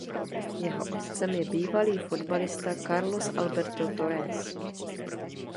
Jeho otcem je bývalý fotbalista Carlos Alberto Torres.